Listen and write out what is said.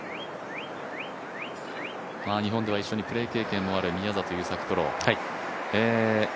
日本では一緒にプレー経験もある宮里優作